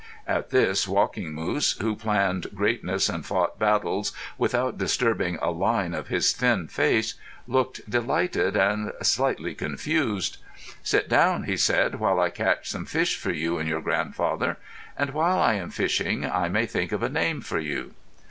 At this Walking Moose, who planned greatness and fought battles without disturbing a line of his thin face, looked delighted and slightly confused. "Sit down," he said, "while I catch some fish for you and your grandfather; and while I am fishing I may think of a name for you."